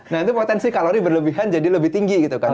nah itu potensi kalori berlebihan jadi lebih tinggi gitu kan